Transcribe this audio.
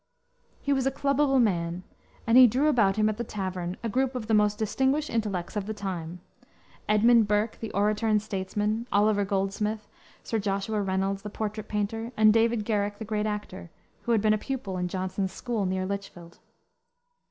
He was a clubbable man, and he drew about him at the tavern a group of the most distinguished intellects of the time, Edmund Burke, the orator and statesman, Oliver Goldsmith, Sir Joshua Reynolds, the portrait painter, and David Garrick, the great actor, who had been a pupil in Johnson's school, near Lichfield.